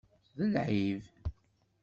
D lɛib.